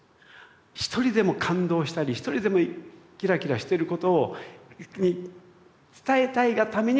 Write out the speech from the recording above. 一人でも感動したり一人でもキラキラしてることを伝えたいがためにこれやってる。